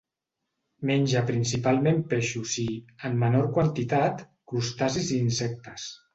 Menja principalment peixos i, en menor quantitat, crustacis i insectes.